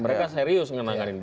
mereka serius ngenangkanin bisnis